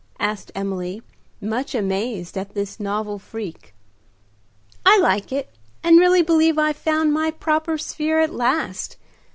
asked Emily, much amazed at this novel freak. "I like it, and really believe I've found my proper sphere at last.